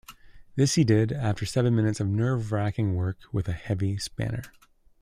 This he did, after seven minutes of nerve-racking work with a heavy spanner.